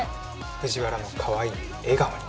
藤原のかわいい笑顔に！